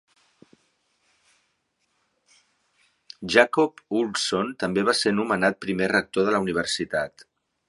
Jakob Ulvsson també va ser nomenat primer rector de la universitat.